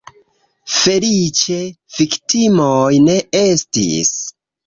Feliĉe, viktimoj ne estis.